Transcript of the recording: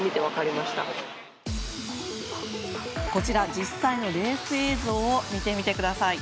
実際のレース映像を見てみてください。